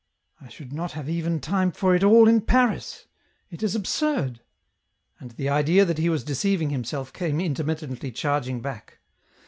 I should not have even time for it all in Paris ; it is absurd !" And the idea that he was deceiving himself came inter mittently charging back.